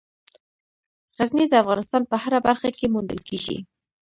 غزني د افغانستان په هره برخه کې موندل کېږي.